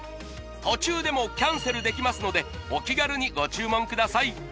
途中でもキャンセルできますのでお気軽にご注文ください！